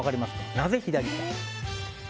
なぜ左か。